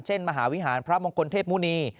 มหาวิหารพระมงคลเทพมุณี